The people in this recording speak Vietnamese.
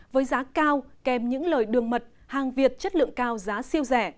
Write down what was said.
với giá cao kèm những lời đường mật hàng việt chất lượng cao giá siêu rẻ